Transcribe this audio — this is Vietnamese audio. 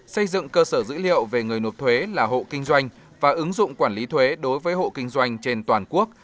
xây dựng cơ sở dữ liệu về người nộp thuế là hộ kinh doanh và ứng dụng quản lý thuế đối với hộ kinh doanh trên toàn quốc